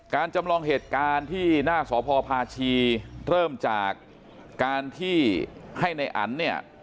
จำลองเหตุการณ์ที่หน้าสพพาชีเริ่มจากการที่ให้ในอันเนี่ย